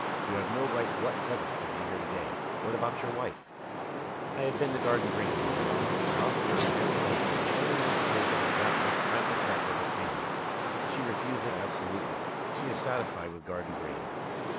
You have no right whatever to be here to day. What about your wife?" "I have been to Garden Green," he announced. "I offered her emancipation, the same emancipation as that which I myself have attained. She refused it absolutely. She is satisfied with Garden Green."